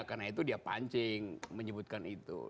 karena itu dia pancing menyebutkan itu